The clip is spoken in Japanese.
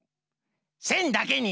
せんだけに。